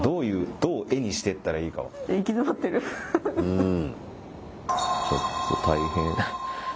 うん。